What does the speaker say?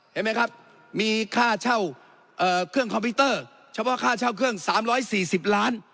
เห็นไหมครับมีค่าเช่าเครื่องคอมพิวเตอร์เฉพาะค่าเช่าเครื่อง๓๔๐ล้าน